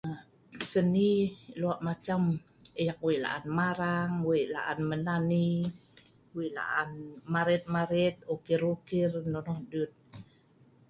Seni Lo' nan an ek we'i la'an marang ,ek me na ni ngan maret maret no noh dut